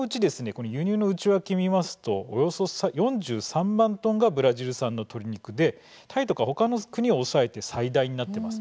この輸入の内訳見ますとおよそ４３万トンがブラジル産の鶏肉でタイとかほかの国を抑えて最大になっています。